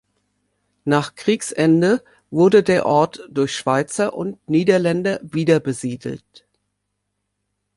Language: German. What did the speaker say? Nach Kriegsende wurde der Ort durch Schweizer und Niederländer wiederbesiedelt.